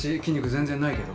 全然ないけど。